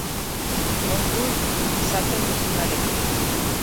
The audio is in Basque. Kontuz esaten duzunarekin!